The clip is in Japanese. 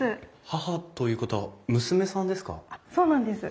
母ということは娘さんですか？